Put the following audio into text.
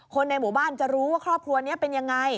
ในหมู่บ้านจะรู้ว่าครอบครัวนี้เป็นยังไง